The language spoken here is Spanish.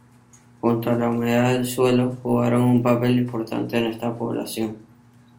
Junto a la humedad del suelo jugaron un papel importante en esta población.